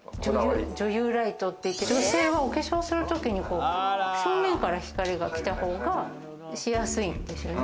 女優ライトっていって、女性はお化粧する時に正面から光が来た方がしやすいんですよね。